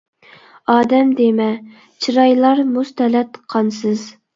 ئادەم دېمە، چىرايلار مۇز تەلەت، قانسىز.